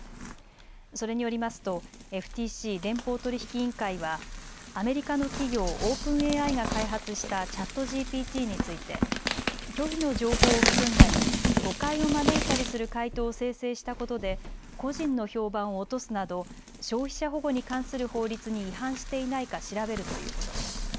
それによりますとＦＴＣ・連邦取引委員会はアメリカの企業、オープンＡＩが開発したＣｈａｔＧＰＴについて虚偽の情報を含んだり誤解を招いたりする回答を生成したことで個人の評判を落とすなど消費者保護に関する法律に違反していないか調べるということです。